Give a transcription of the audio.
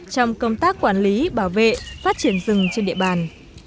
trong công tác quản lý bảo vệ phát triển rừng trên địa bàn